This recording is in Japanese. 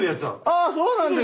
あそうなんですか。